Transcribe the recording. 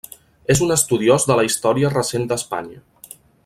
És un estudiós de la història recent d'Espanya.